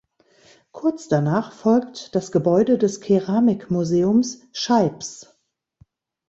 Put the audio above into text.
Kurz danach folgt das Gebäude des Keramikmuseum Scheibbs.